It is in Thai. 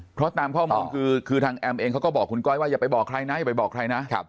เพราะตามข้อมองคือทางแอมเองเขาก็บอกคุณก้อยว่าอย่าไปบอกใครนะ